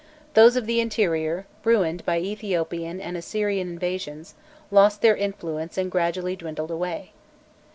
Those of the interior, ruined by Ethiopian and Assyrian invasions, lost their influence and gradually dwindled away.